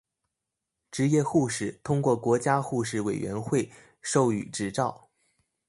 执业护士通过国家护士委员会授予执照。